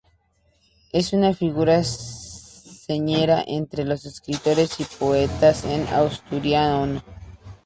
Es una figura señera entre los escritores y poetas en asturiano.